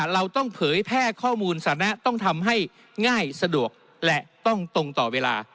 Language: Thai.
เราต้องเผยแพร่ข้อมูลสถานะต้องทำให้ง่ายสะดวกและต้องตรงต่อเวลา